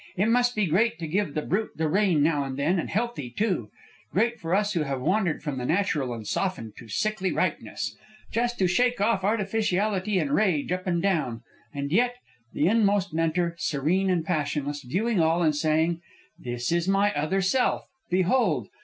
It must be great to give the brute the rein now and again, and healthy, too. Great for us who have wandered from the natural and softened to sickly ripeness. Just to shake off artificiality and rage up and down! and yet, the inmost mentor, serene and passionless, viewing all and saying: 'This is my other self. Behold!